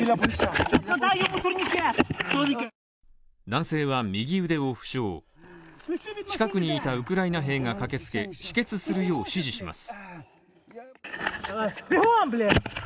男性は右腕を負傷、近くにいたウクライナ兵が駆けつけ、止血するよう指示します。